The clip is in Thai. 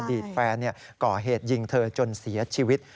ตแฟนก่อเหตุยิงเธอจนเสียชีวิต